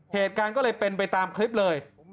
เหตุการณ์ก็เลยเป็นไปตามคลิปเลย